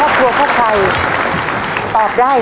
ภายในเวลา๓นาที